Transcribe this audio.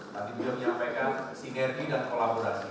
tapi beliau menyampaikan sinergi dan kolaborasi